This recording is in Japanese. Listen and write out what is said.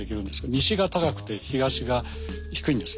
西が高くて東が低いんです。